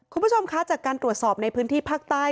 คุณผู้ชมคะจากการตรวจสอบในพื้นที่ภาคใต้